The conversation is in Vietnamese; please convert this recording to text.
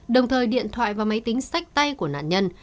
đồng thời điện thoại và máy tính sách tay của nạn nhân